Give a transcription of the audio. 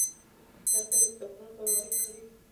لرګی د کتابخانو په الماریو کې کارېږي.